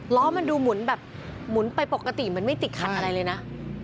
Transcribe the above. ล้อมันดูหมุนแบบหมุนไปปกติเหมือนไม่ติดขัดอะไรเลยนะ